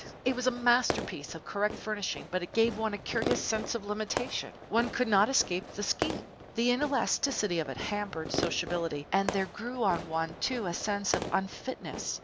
It was a masterpiece of correct furnishing, but it gave one a curious sense of limitation. One could not escape the scheme. The inelasticity of it hampered sociability and there grew on one, too, a sense of unfitness.